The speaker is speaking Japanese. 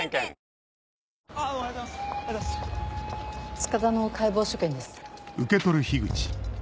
塚田の解剖所見です。